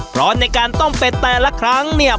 เพราะในการต้มเป็ดแต่ละครั้งเนี่ย